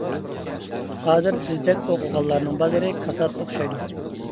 ھازىر بىزدەك ئوقۇغانلارنىڭ بازىرى كاسات ئوخشايدۇ.